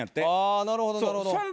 あなるほどなるほど。